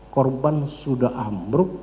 korban sudah ambruk